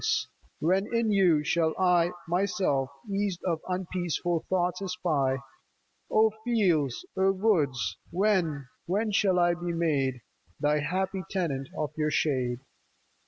Oh, when in you shall I Myself eased of unpeaccful thoughts espy ? O fields ! O woods ! when, when shall 1 be made The happy tenant of your shade